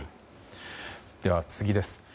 では、次です。